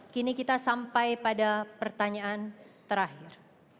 kini kita sampai pada pertanyaan terakhir